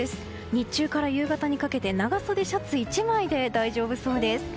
日中から夕方にかけて長袖シャツ１枚で大丈夫そうです。